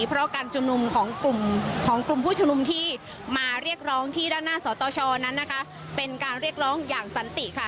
เพราะการชุมนุมของกลุ่มของกลุ่มผู้ชุมนุมที่มาเรียกร้องที่ด้านหน้าสตชนั้นนะคะเป็นการเรียกร้องอย่างสันติค่ะ